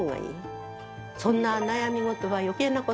そんな悩み事は余計なことです。